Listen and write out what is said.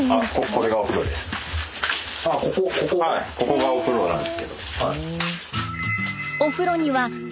ここがお風呂なんですけど。